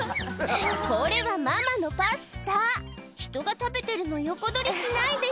「これはママのパスタ」「ひとが食べてるの横取りしないでよ」